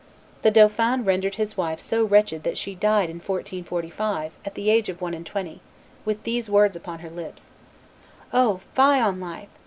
The dauphin rendered his wife so wretched that she died in 1445, at the age of one and twenty, with these words upon her lips: "O! fie on life!